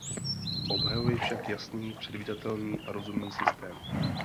Obhajuji však jasný, předvídatelný a rozumný systém.